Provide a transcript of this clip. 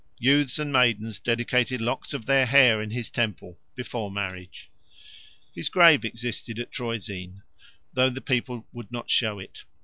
Youths and maidens dedicated locks of their hair in his temple before marriage. His grave existed at Troezen, though the people would not show it.